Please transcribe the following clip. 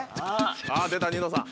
あぁ出たニノさん。